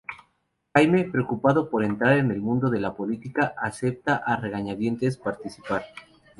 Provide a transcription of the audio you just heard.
Jamie, preocupado por entrar en el mundo de la política, acepta a regañadientes participar.